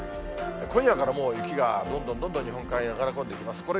今夜からもう、雪がどんどんどんどん日本海側に流れ込んできます。